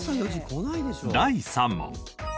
第３問。